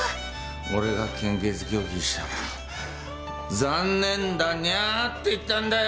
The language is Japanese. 俺が献血拒否したら残念だにゃーって言ったんだよ！